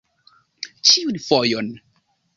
Ĉiun fojon!